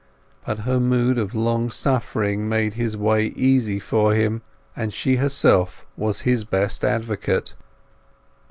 But her mood of long suffering made his way easy for him, and she herself was his best advocate.